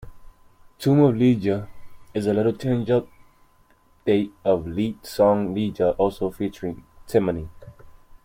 "Tomb of Liegia" is a little-changed update of leaked song "Ligeia", also featuring Timony.